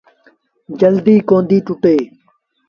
جلديٚ ڪونديٚ ٽُٽي۔